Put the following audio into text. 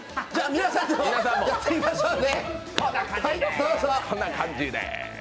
皆さんもやってみましょうね。